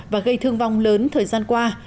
và gây thương vong lớn thời gian qua